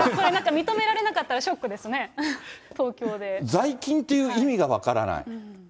認められなかったらショックですね、東京で。在勤っていう意味が分からない。